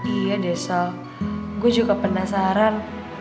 iya desa gue juga penasaran